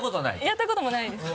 やったこともないです。